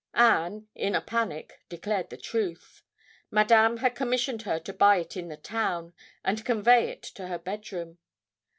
Anne, in a panic, declared the truth. Madame had commissioned her to buy it in the town, and convey it to her bed room.